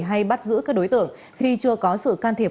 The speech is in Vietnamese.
hay bắt giữ các đối tượng khi chưa có sự can thiệp